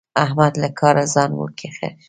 احمد له کاره ځان وکيښ.